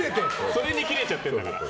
それにキレちゃってるんだから。